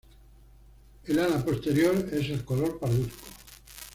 El ala posterior es el color pardusco.